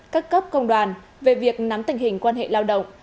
các cấp công đoàn về việc nắm tình hình quan hệ lao động